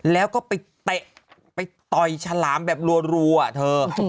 แล้วก็ไปเตะไปต่อยฉลามแบบรัวเธอ